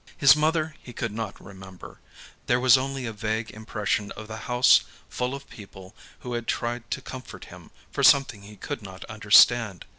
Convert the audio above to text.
His mother he could not remember; there was only a vague impression of the house full of people who had tried to comfort him for something he could not understand.